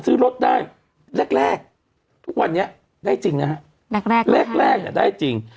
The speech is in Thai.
ซื้อรถได้แรกแรกทุกวันนี้ได้จริงนะฮะแรกแรกแรกแรกเนี่ยได้จริง